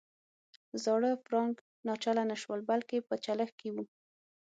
زاړه فرانک ناچله نه شول بلکې په چلښت کې وو.